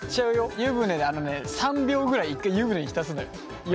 湯船であのね３秒ぐらい１回湯船に浸すのよ